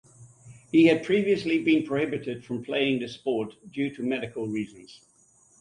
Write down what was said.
He had previously been prohibited from playing the sport due to medical reasons.